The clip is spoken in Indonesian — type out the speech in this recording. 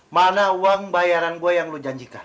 mana uang bayaran yang kamu janjikan